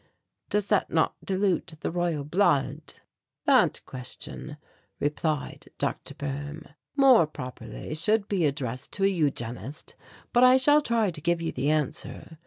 Does that not dilute the Royal blood?" "That question," replied Dr. Boehm, "more properly should be addressed to a eugenist, but I shall try to give you the answer.